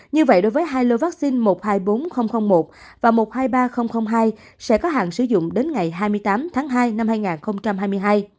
như vậy đối với hai lô vaccine một trăm hai mươi bốn nghìn một và một trăm hai mươi ba nghìn hai sẽ có hạn sử dụng đến ngày hai mươi tám tháng hai năm hai nghìn hai mươi hai